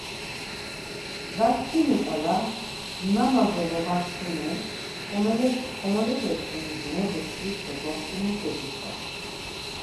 Daçkimi ǩala nana do babaçkuni komolepeçkuniz mebuşkvit do goxtimuşa bigzalit.